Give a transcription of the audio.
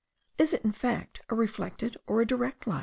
Is it in fact a reflected or a direct light?